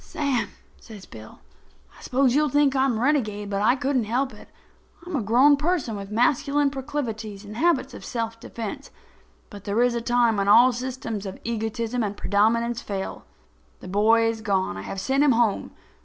"Sam," says Bill, "I suppose you'll think I'm a renegade, but I couldn't help it. I'm a grown person with masculine proclivities and habits of self defense, but there is a time when all systems of egotism and predominance fail. The boy is gone. I have sent him home.